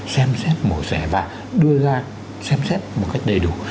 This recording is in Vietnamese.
xem xét mổ xẻ và đưa ra xem xét một cách đầy đủ